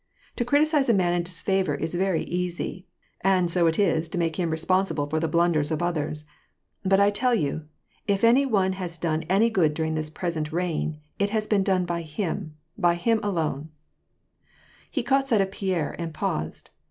To criticise a man in disfavor is very easy, and so it is to make him responsible for the blunders of others ; but I tell you, if any one has done any good during this present reign it has been done by him, by him alone "— He caught sight of Pierre, and paused.